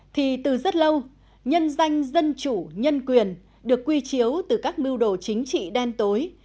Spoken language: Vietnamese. thì từ rất lâu nhân danh dân chủ nhân quyền được quy chiếu từ các mưu đồ chính trị đen tối